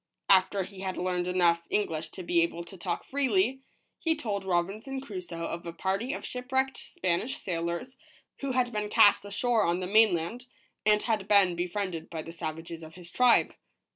After he had learned enough English to be able to talk freely, he told Robinson Crusoe of a party of shipwrecked Spanish sailors, who had been cast ashore on the mainland, and had been befriended by the savages of his tribe.